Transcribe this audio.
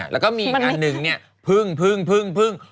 แล้วก็มีอีกอันนึงพึ่ง